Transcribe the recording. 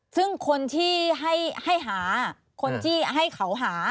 ซึ่งคนที่ให้หาคนที่ให้เขาหา